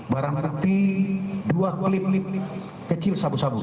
barangkali dua klip klip kecil sabu sabu